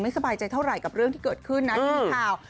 สบายใจเท่าไหร่กับเรื่องที่เกิดขึ้นนะที่มีข่าว